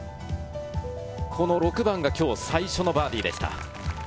この６番が今日最初のバーディーでした。